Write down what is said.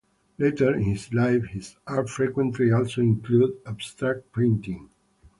Later in his life his art frequently also included abstract painting.